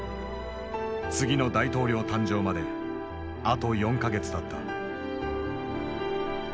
次の大統領誕生まであと４か月だった。